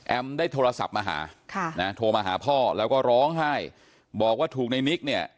ได้โทรศัพท์มาหาโทรมาหาพ่อแล้วก็ร้องไห้บอกว่าถูกในนิกเนี่ย